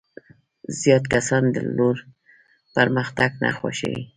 زیات کسان د لور پرمختګ نه خوښوي.